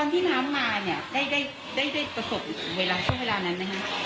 ที่น้ำมาเนี่ยได้ประสบเวลาช่วงเวลานั้นไหมคะ